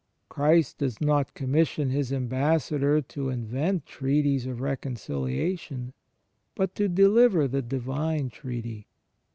Christ does not commission his ambassador to invent treaties of reconciliation, but to deliver the Divine treaty.